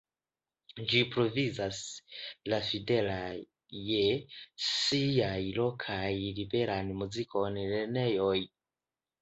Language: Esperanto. Ĝi provizas la fidela je siaj lokaj liberan muzikon lernejoj.